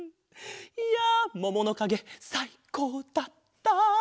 いやもものかげさいこうだった！